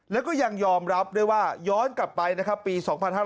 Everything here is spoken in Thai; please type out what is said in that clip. แล้วก็ยังยอมรับด้วยว่าย้อนกลับไปนะครับปี๒๕๕๙